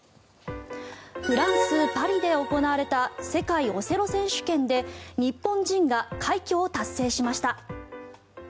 フランス・パリで行われた世界オセロ選手権で日本人が快挙を達成しました。